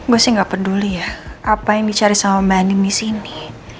gue sih gak peduli ya apa yang dicari sama mbak nim di sini